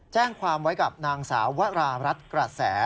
แจ้งความไว้กับนางสาววรารัฐกระแส